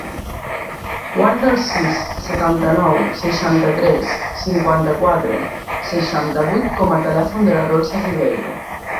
Guarda el sis, setanta-nou, seixanta-tres, cinquanta-quatre, seixanta-vuit com a telèfon de la Dolça Riveiro.